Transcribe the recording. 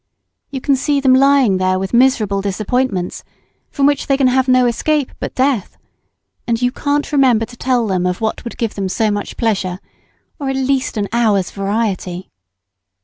You see them lying there with miserable disappointments, from which they can have no escape but death, and you can't remember to tell them of what would give them so much pleasure, or at least an hour's variety.